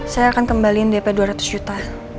saya akan kembaliin dp dua ratus juta